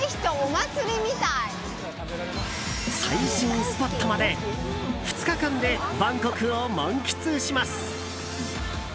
最新スポットまで２日間でバンコクを満喫します。